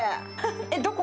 えっどこ？